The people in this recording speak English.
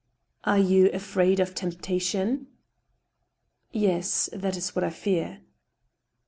" Are you afraid of temptation ?"'* Yes ; that is what I fear."